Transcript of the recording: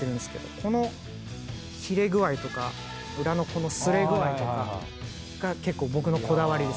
この切れ具合とか裏のこのすれ具合とかが結構僕のこだわりです。